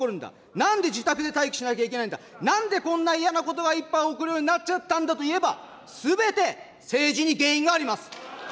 なんで自宅で待機しなければならないんだ、なんでこんな嫌なことがいっぱい起こるようになっちゃたんだといえば、すべて政治に原因があります。